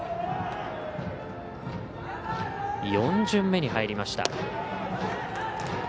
４巡目に入りました。